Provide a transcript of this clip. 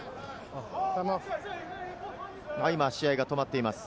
今、試合が止まっています。